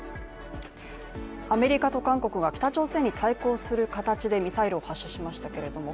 アメリカと韓国が北朝鮮に対抗する形でミサイルを発射しましたけれども